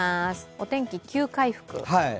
お天気、急回復。